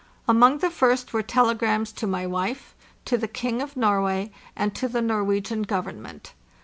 Among the first were telegrams to my wife, to the King of Norway, and to the Norwegian Government.